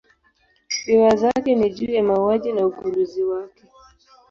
Riwaya zake ni juu ya mauaji na ugunduzi wake.